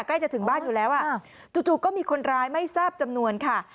ใกล้จะถึงบ้านอยู่แล้วจู่ก็มีคนร้ายไม่ทราบจำนวนค่ะ